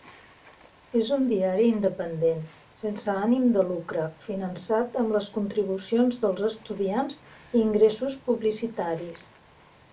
És un diari independent, sense ànim de lucre, finançat amb les contribucions dels estudiants i ingressos publicitaris.